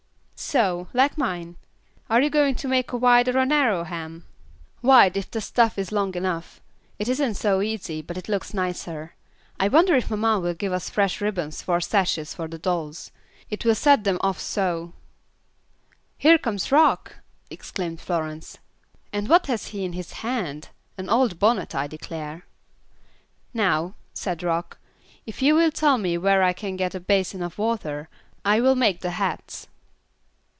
"So, like mine. Are you going to make a wide or a narrow hem?" "Wide, if the stuff is long enough; it isn't so easy, but it looks nicer. I wonder if mamma will give us fresh ribbons for sashes for the dolls; it will set them off so." "Here comes Rock," exclaimed Florence, "and what has he in his hand? An old bonnet, I declare." "Now," said Rock, "if you will tell me where I can get a basin of water, I will make the hats."